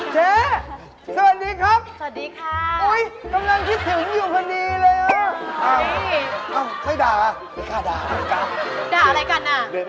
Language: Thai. ตลอดหน่อยเหรอคะ